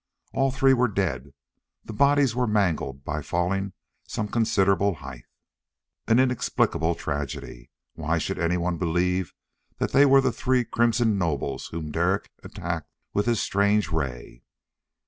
All three were dead; the bodies were mangled by falling some considerable height. An inexplicable tragedy. Why should anyone believe that they were the three crimson nobles whom Derek attacked with his strange ray?